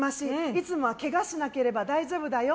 いつもはけがしなければ大丈夫だよ